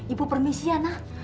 ibu permisi nah